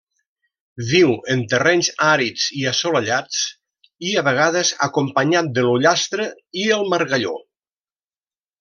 Viu en terrenys àrids i assolellats i a vegades acompanyat de l'ullastre i el margalló.